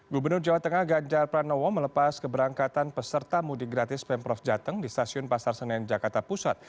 gubernur jawa tengah ganjar pranowo melepas keberangkatan peserta mudik gratis pemprov jateng di stasiun pasar senen jakarta pusat